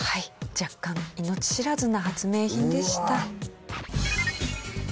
若干命知らずな発明品でした。